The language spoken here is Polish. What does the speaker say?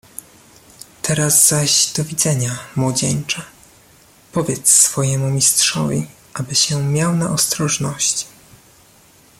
"Teraz zaś do widzenia, młodzieńcze; powiedz swojemu mistrzowi, aby się miał na ostrożności."